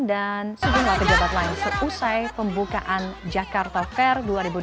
dan sejumlah pejabat lain selesai pembukaan jakarta fair dua ribu dua puluh tiga